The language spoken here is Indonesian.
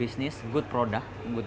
bisnis yang bagus produk yang bagus